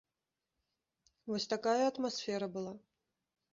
Вось такая атмасфера была.